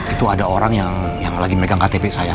itu ada orang yang lagi memegang ktp saya